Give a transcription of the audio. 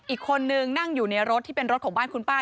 อีกคนนึงนั่งอยู่ในรถที่เป็นรถของบ้านคุณป้า